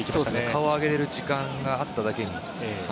顔上げる時間があっただけに。